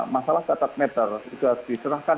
masalah catatan netel sudah diserahkan